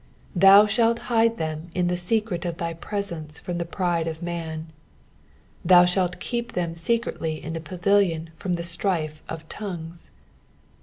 20 Thou shalt hide them in the secret of thy presence from the pride of man : thou shalt keep them secretly in a pavilion from the strife of tongues.